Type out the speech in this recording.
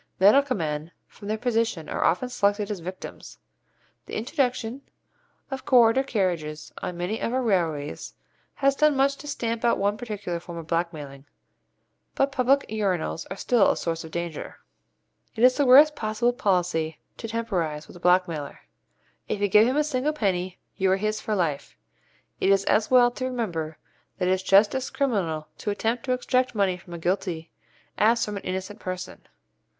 Medical men from their position are often selected as victims. The introduction of corridor carriages on many of our railways has done much to stamp out one particular form of blackmailing, but public urinals are still a source of danger. It is the worst possible policy to temporize with a blackmailer. If you give him a single penny, you are his for life. It is as well to remember that it is just as criminal to attempt to extract money from a guilty as from an innocent person.